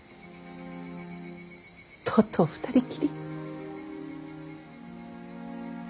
とうとう２人きり。